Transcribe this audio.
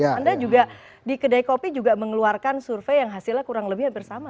anda juga di kedai kopi juga mengeluarkan survei yang hasilnya kurang lebih hampir sama